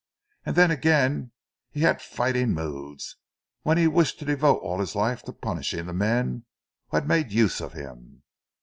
And then again he had fighting moods, when he wished to devote all his life to punishing the men who had made use of him.